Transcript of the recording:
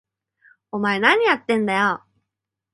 お前、なにやってんだよ！？